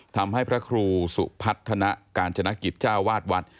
พระครูสุพัฒนากาญจนกิจเจ้าวาดวัด